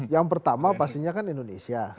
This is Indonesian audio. yang pertama pastinya kan indonesia